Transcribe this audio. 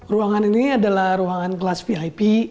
ruangan ini adalah ruangan kelas vip